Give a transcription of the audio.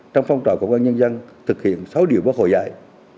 trong phong trò cộng an nhân dân thực hiện sáu điều bác hội giải